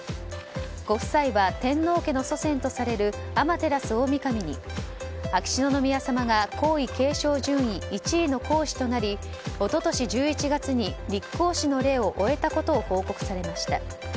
ご夫妻は天皇家の祖先とされる天照大神に秋篠宮さまが皇位継承順位１位の皇嗣となり一昨年１１月に立皇嗣の礼を終えたことを報告されました。